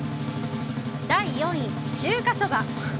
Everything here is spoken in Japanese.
第４位、中華そば。